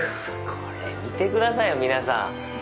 これ見てくださいよ、皆さん。